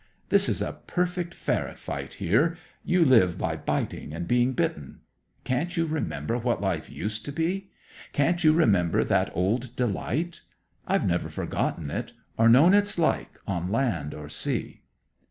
This is a perfect ferret fight here; you live by biting and being bitten. Can't you remember what life used to be? Can't you remember that old delight? I've never forgotten it, or known its like, on land or sea."